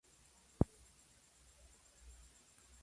Actualmente reside en Praga.